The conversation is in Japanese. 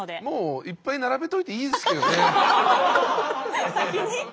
もういっぱい並べておいていいですけどね。